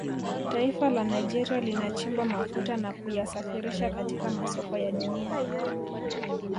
Taifa la Nigeria linachimba mafuta na kuyasafirisha katika masoko ya Dunia